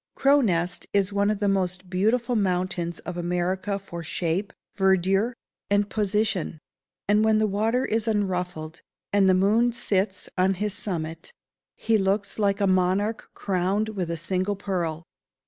Crow Nest is one of the most beautiful mountains of America for shape, verdure, and position; and when the water is unruffled, and the moon sits on his summit, he looks like a monarch crowned with a single pearl.